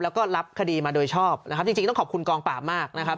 แล้วก็รับคดีมาโดยชอบนะครับจริงจริงต้องขอบคุณกองปราบมากนะครับ